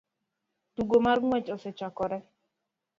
Tugo mar ng'wech osechakore